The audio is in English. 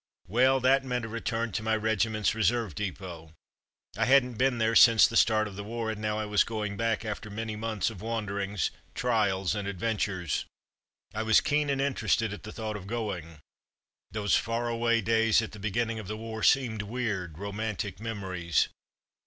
Well, that meant a return to my regiment's reserve depot. I hadn't been there since the start of the war, and now I was going back after many months of wanderings, trials, and adventures. I was keen and interested at the thought of going. Those far away days at the beginning of the war seemed weird, romantic memories.